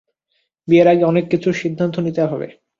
বিয়ের আগে অনেক কিছুর, সিদ্ধান্ত নিতে হবে।